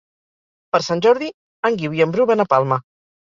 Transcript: Per Sant Jordi en Guiu i en Bru van a Palma.